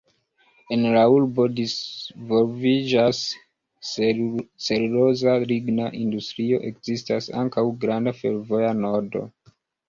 En la urbo disvolviĝas celuloza–ligna industrio, ekzistas ankaŭ granda fervoja nodo.